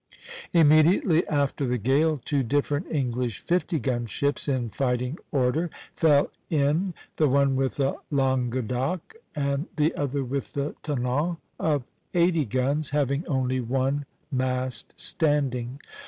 Immediately after the gale two different English fifty gun ships, in fighting order, fell in, the one with the "Languedoc," the other with the "Tonnant," of eighty guns, having only one mast standing.